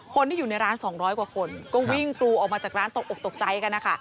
คนที่อยู่ในร้าน๒๐๐กว่าคนก็วิ่งกรูออกมาจากร้านตกอกตกใจกันนะคะ